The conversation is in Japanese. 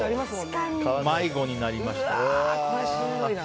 迷子になりましたと。